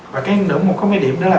và cái nữa một cái điểm nữa là